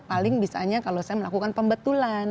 paling bisa hanya kalau saya melakukan pembetulan